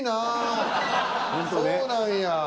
そうなんや。